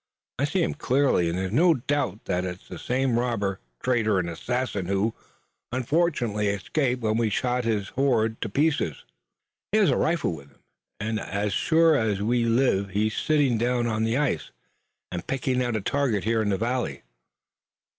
"I see him clearly and there is no doubt that it's the same robber, traitor and assassin who, unfortunately, escaped when we shot his horde to pieces." "He has a rifle with him, and as sure as we live he's sitting down on the ice, and picking out a target here in the valley."